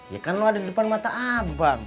ya kan lo ada di depan mata abang